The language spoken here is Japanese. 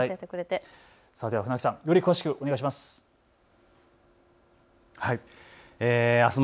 船木さん、より詳しくお願いします。